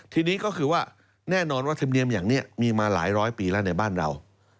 ทีนี้ก็คือว่าแน่นอนว่าธรรมเนียมอย่างนี้มีมาหลายร้อยปีแล้วในบ้านเรา